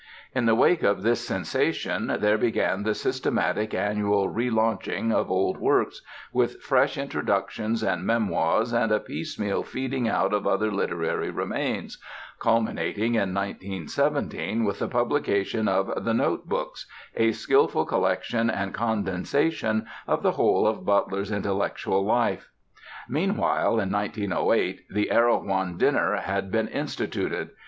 In the wake of this sensation there began the systematic annual relaunching of old works, with fresh introductions and memoirs and a piecemeal feeding out of other literary remains, culminating in 1917 with the publication of "The Note Books," a skilful collection and condensation of the whole of Butler's intellectual life. Meanwhile, in 1908, the Erewhon dinner had been instituted.